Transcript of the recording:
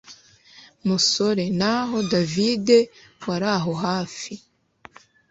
musore naho david waraho hafi